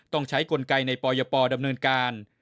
ต้องใช้กลไกในปยปดำเนินการ